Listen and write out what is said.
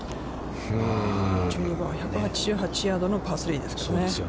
１８８ヤードのパー３ですけどね。